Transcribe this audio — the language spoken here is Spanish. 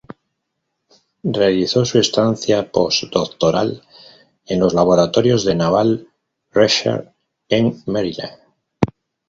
Realizó su estancia postdoctoral en los laboratorios de Naval Research en Maryland.